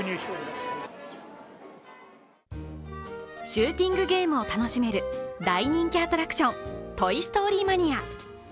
シューティングゲームを楽しめる大人気アトラクション、トイ・ストーリー・マニア！。